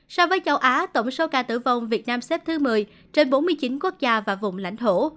so với châu á tổng số ca tử vong việt nam xếp thứ một mươi trên bốn mươi chín quốc gia và vùng lãnh thổ